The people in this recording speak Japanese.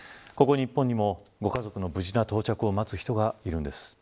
ここ日本にも家族の無事の到着を待つ人がいるんです。